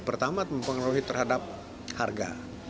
pertama mempengaruhi terhadap harga